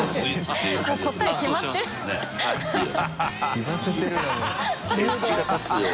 言わせてるなもう。